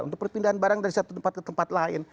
untuk perpindahan barang dari satu tempat ke tempat lain